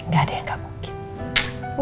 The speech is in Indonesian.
gak ada yang gak mungkin